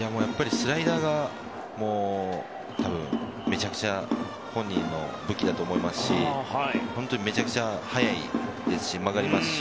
スライダーがめちゃくちゃ本人も武器だと思いますしめちゃくちゃ速いですし曲がりますし。